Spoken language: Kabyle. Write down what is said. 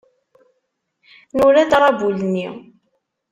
Nura-d aṛabul-nni.